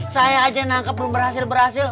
saya aja yang nangkep belum berhasil berhasil